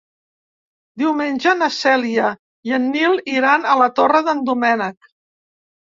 Diumenge na Cèlia i en Nil iran a la Torre d'en Doménec.